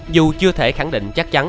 dù chưa thể khẳng định chắc chắn